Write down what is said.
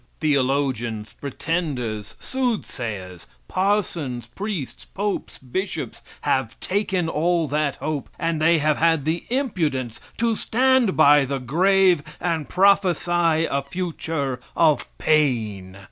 Theologians, pretenders, soothsayers, parsons, priests, popes, bishops, have taken all that hope, and they have had the impudence to stand by the grave and prophesy a future of pain.